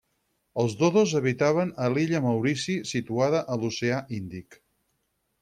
Els dodos habitaven a l'illa Maurici, situada a l'oceà Índic.